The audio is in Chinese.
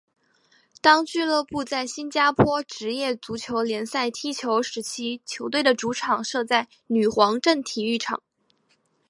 当俱乐部在新加坡职业足球联赛踢球时期球队的主场设在女皇镇体育场。